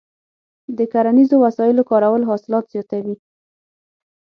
د کرنیزو وسایلو کارول حاصلات زیاتوي.